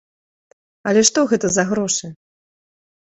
Але што гэта за грошы!?